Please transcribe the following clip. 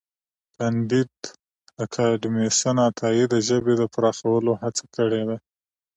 کانديد اکاډميسن عطايي د ژبې د پراخولو هڅه کړې ده.